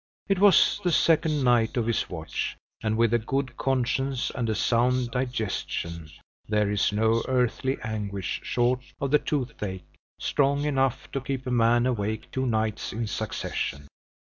It was the second night of his watch; and with a good conscience and a sound digestion, there is no earthly anguish short of the toothache, strong enough to keep a man awake two nights in succession.